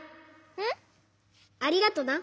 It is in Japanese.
うん？ありがとな。